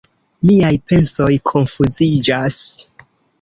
Miaj pensoj konfuziĝas.